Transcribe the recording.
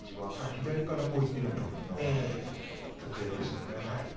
左からいっているのでそんな立ち合いでした。